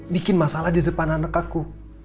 bikin masalah di depan anak aku